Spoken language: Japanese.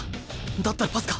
だったらパスか？